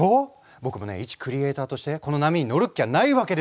僕もね一クリエイターとしてこの波に乗るっきゃないわけですよ。